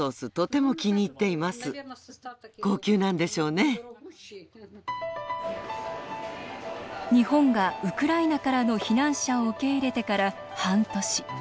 冷蔵庫には日本がウクライナからの避難者を受け入れてから半年。